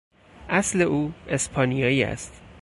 اصل او اسپانیایی است.